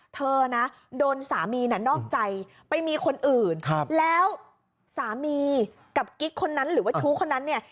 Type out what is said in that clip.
เธอนะโดนสามีน่ะนอกใจไปมีคนอื่นแล้วสามีกับกิ๊กคนนั้นหรือว่าชู้คนนั้นเนี่ย